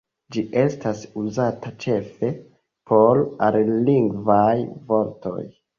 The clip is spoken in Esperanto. Ĝi estas uzata ĉefe por alilingvaj vortoj.